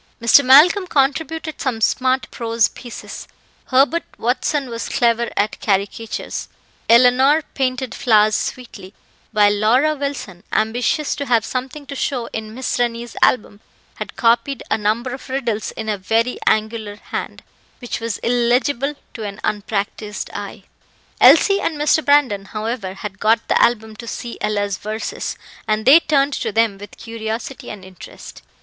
Mr. Malcolm contributed some smart prose pieces; Herbert Watson was clever at caricatures; Eleanor painted flowers sweetly; while Laura Wilson, ambitious to have something to show in Miss Rennie's album, had copied a number of riddles in a very angular hand, which was illegible to an unpractised eye. Elsie and Mr. Brandon, however, had got the album to see Ella's verses, and they turned to them with curiosity and interest.